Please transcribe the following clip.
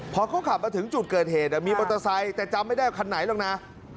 พอเขาขับมาถึงจุดเกิดเหตุมีมอเตอร์ไซค์แต่จำไม่ได้ว่าคันไหนหรอกนะ